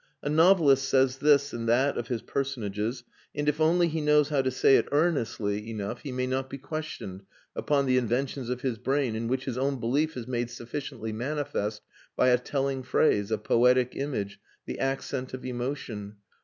A novelist says this and that of his personages, and if only he knows how to say it earnestly enough he may not be questioned upon the inventions of his brain in which his own belief is made sufficiently manifest by a telling phrase, a poetic image, the accent of emotion.